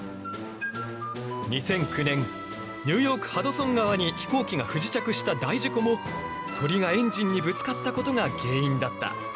２００９年ニューヨークハドソン川に飛行機が不時着した大事故も鳥がエンジンにぶつかったことが原因だった。